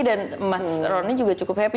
dan mas roni juga cukup happy